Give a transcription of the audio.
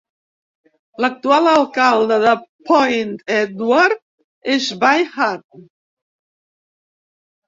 L"actual alcalde de Point Edward és Bev Hand.